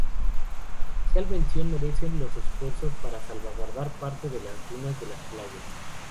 Especial mención merecen los esfuerzos para salvaguardar parte de las dunas de las playas.